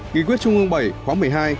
nghị quyết trung ương bảy khóa một mươi hai